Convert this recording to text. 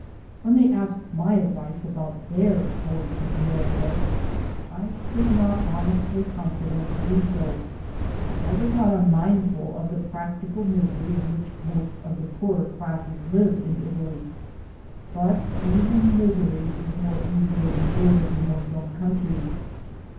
When they asked my advice about their going to America, I could not honestly counsel HOME I 311 them to do so. I was not unmindful of the practical misery in which most of the poorer classes live in Italy, but even misery is more easily endured in one's own country.